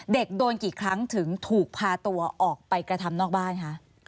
เด็กโดนกี่ครั้งถึงถูกพาตัวออกไปกระทำนอกบ้านคะ